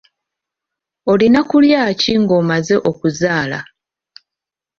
Oyina kulya ki ng'omaze okuzaala?